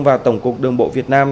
và tổng cục đường bộ việt nam